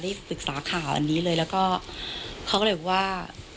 ปรึกษาข่าวอันนี้เลยแล้วก็เขาก็เลยบอกว่า